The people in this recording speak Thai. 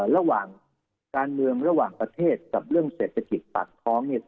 ระหว่างการเมืองระหว่างประเทศกับเรื่องเศรษฐกิจปากท้องเนี่ย